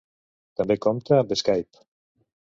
També compta amb Skype.